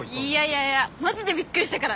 いやいやマジでびっくりしたからね。